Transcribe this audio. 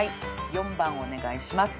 ４番をお願いします。